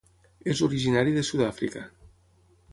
És originari de Sud-àfrica.